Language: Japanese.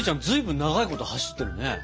ずいぶん長いこと走ってるね。